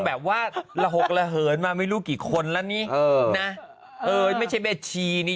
แบบว่าระหกระเหินมาไม่รู้กี่คนแล้วนี่นะเออไม่ใช่แม่ชีนี่